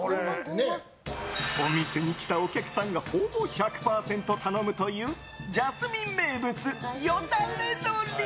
お店に来たお客さんがほぼ１００％頼むというＪＡＳＭＩＮＥ名物よだれ鶏。